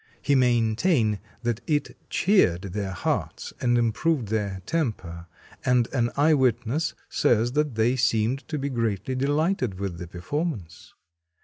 He maintained that it cheered their hearts and improved their temper, and an eye witness says that they seemed to be greatly delighted with the performance.